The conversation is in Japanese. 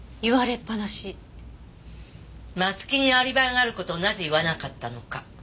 松木にアリバイがある事をなぜ言わなかったのか。